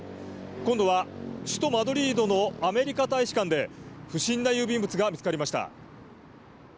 今度は首都マドリードのアメリカ大使館で不審な郵便物が見つかりました。